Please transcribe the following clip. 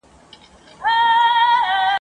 څه د پاسه دوه زره وطنوال پکښي شهیدان سول ..